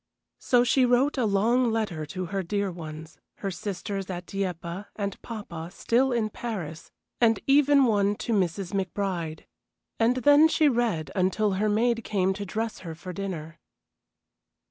So she wrote a long letter to her dear ones her sisters at Dieppe, and papa, still in Paris, and even one to Mrs. McBride. And then she read until her maid came to dress her for dinner.